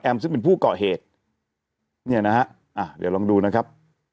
ซึ่งเป็นผู้เกาะเหตุเนี่ยนะฮะเดี๋ยวลองดูนะครับ